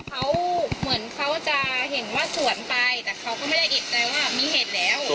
เขาเหมือนเขาจะเห็นว่าสวนไปแต่เขาก็ไม่ได้เอกใจว่ามีเหตุแล้ว